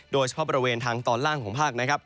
โดยเฉพาะบริเวณทางตอนล่างของภาคนะครับ